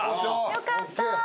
よかった。